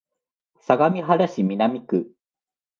相模原市南区